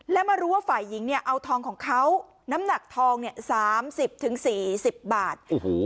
และมารู้ว่าฝ่ายหญิงเนี่ยเอาทองของเขาน้ำหนักทอง๓๐๔๐บาท